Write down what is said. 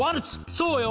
そうよ